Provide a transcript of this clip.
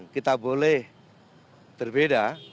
kita boleh berbeda